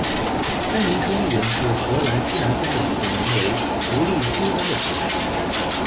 该名称源自荷兰西南方的一个名为弗利辛恩的城市。